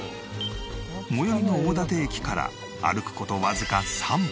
最寄りの大館駅から歩く事わずか３分。